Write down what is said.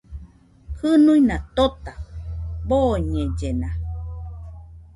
Jɨnuina tota boñellena.